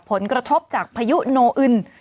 ผลกระทบจากพายุโนอึน